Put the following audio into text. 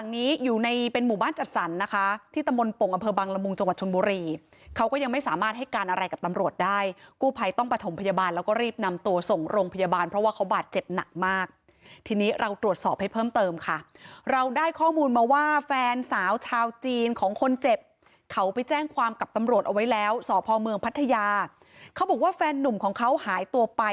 ที่ตะมนต์ปงก์อำเภอบังละมุงจชนบุรีเขาก็ยังไม่สามารถให้การอะไรกับตำรวจได้กู้ภัยต้องประถมพยาบาลแล้วก็รีบนำตัวส่งลงพยาบาลเพราะว่าเขาบาดเจ็บหนักมากทีนี้เราตรวจสอบให้เพิ่มเติมค่ะเราได้ข้อมูลมาว่าแฟนสาวชาวจีนของคนเจ็บเขาไปแจ้งความกับตำรวจเอาไว้แล้วสพพัทยาเขา